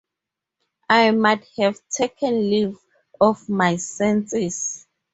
I might have taken leave of my senses.